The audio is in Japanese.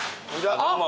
どうも。